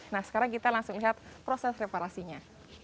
nah sekarang kita langsung lihat proses reparasinya